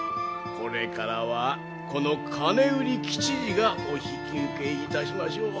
これからはこの金売り吉次がお引き受けいたしましょう。